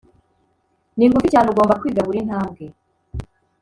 ni ngufi cyane ugomba kwiga buri ntambwe